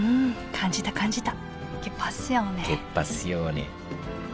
感じた感じた